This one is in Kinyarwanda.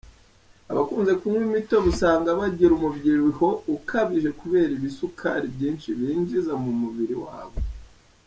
Abakunze kunywa imitobe usanga bagira umubyibuho ukabije kubera ibisukari byinshi binjiza mu mubiri wabo.